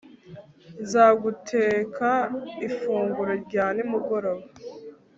nzaguteka ifunguro rya nimugoroba